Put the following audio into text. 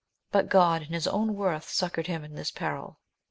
But God and his own worth suc coured him in this peril.